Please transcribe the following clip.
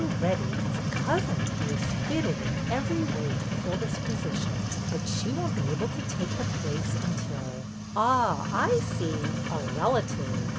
Webbie has a cousin who is fitted in every way to fill this position. But she won't be able to take the place until —"'' Ah, I see. A relative